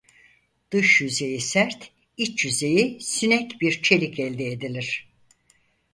Dış yüzeyi sert iç yüzeyi sünek bir çelik elde edilir.